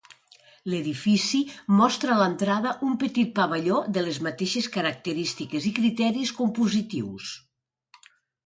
L'edifici mostra a l'entrada un petit pavelló de les mateixes característiques i criteris compositius.